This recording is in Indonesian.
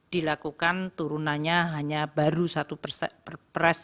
dilakukan turunannya hanya baru satu perpres